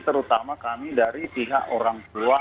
terutama kami dari pihak orang tua